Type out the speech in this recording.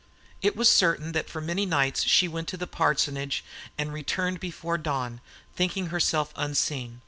It was certain that for many nights she went to the parsonage and returned before dawn, thinking herself unseen.